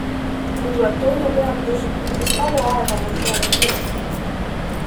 Kui tuleb toidupeatus, siis kaua aega mul seal ei kulu.